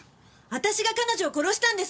私が彼女を殺したんです。